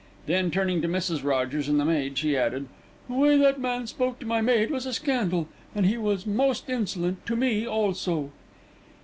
Then, turning to Mrs. Rogers and the maid, she added, "The way that man spoke to my maid was a scandal, and he was most insolent to me also."